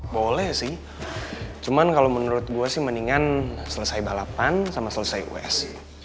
boleh sih cuman kalau menurut gue sih mendingan selesai balapan sama selesai us